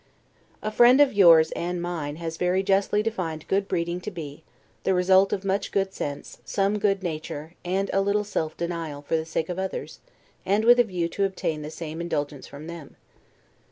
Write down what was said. A friend of yours and mine has very justly defined good breeding to be, THE RESULT OF MUCH GOOD SENSE, SOME GOOD NATURE, AND A LITTLE SELF DENIAL FOR THE SAKE OF OTHERS, AND WITH A VIEW TO OBTAIN THE SAME INDULGENCE FROM THEM.